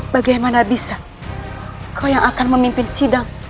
bagaimana bisa kau yang akan memimpin sidang